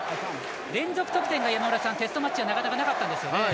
連続得点がテストマッチはなかなかなかったんですよね。